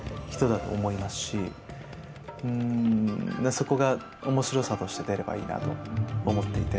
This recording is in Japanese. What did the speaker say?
そこがおもしろさとして出ればいいなと思っていて。